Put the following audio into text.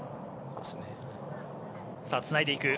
つないでいく。